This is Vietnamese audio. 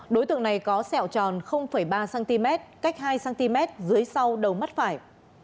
đối tượng này có sẹo tròn ba cm cách hai cm dưới sau đầu mắt phải